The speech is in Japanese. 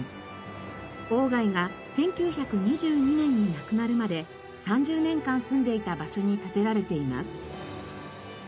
外が１９２２年に亡くなるまで３０年間住んでいた場所に建てられています。